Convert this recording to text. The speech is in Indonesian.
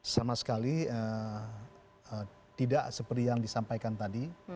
sama sekali tidak seperti yang disampaikan tadi